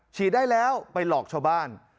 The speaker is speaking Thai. ฉีดได้แล้วไปหลอกชาวบ้าน